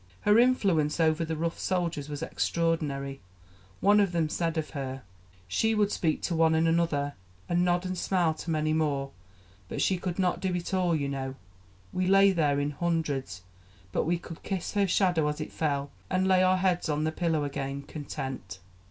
Her influence over the rough soldiers was extraordinary; one of them said of her: "She would speak to one and another, and nod and smile to many more; but she could not do it to all, you know we lay there in hundreds but we could kiss her shadow as it fell, and lay our heads on the pillow again, content."